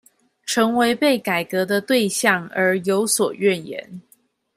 成為被改革的對象而有所怨言